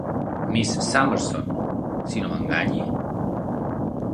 Miss Summerson, si no m'enganyi?